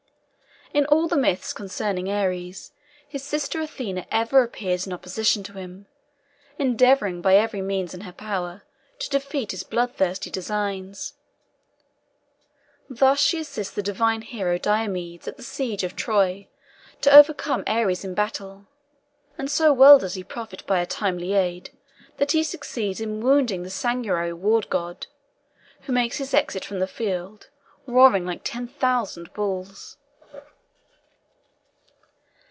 In all the myths concerning Ares, his sister Athene ever appears in opposition to him, endeavouring by every means in her power to defeat his bloodthirsty designs. Thus she assists the divine hero Diomedes at the siege of Troy, to overcome Ares in battle, and so well does he profit by her timely aid, that he succeeds in wounding the sanguinary war god, who makes his exit from the field, roaring like ten thousand bulls.